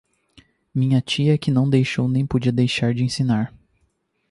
Minha tia é que não deixou nem podia deixar de ensinar